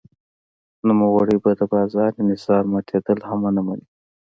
نوموړی به د بازار انحصار ماتېدل هم ونه مني.